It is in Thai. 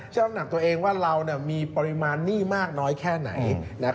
น้ำหนักตัวเองว่าเรามีปริมาณหนี้มากน้อยแค่ไหน